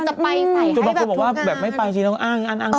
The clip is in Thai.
จนบางคนบอกว่าแบบไม่ไปสิต้องอ้างอ้าง